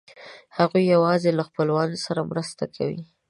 هغوی یواځې له خپلوانو سره مرسته کوي.